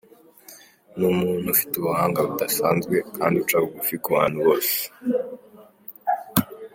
Ni umuntu ufite ubuhanga budasanzwe kandi uca bugufi ku bantu bose.